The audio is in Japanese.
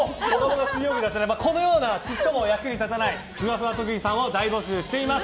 水曜日はこのようなちっとも役に立たないふわふわ特技さんを大募集しています。